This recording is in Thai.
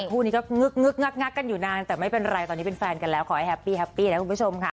คู่นี้ก็งึกงึกงักกันอยู่นานแต่ไม่เป็นไรตอนนี้เป็นแฟนกันแล้วขอให้แฮปปี้แฮปปี้นะคุณผู้ชมค่ะ